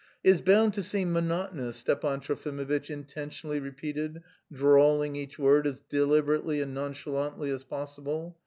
"... Is bound to seem monotonous," Stepan Trofimovitch intentionally repeated, drawling each word as deliberately and nonchalantly as possible.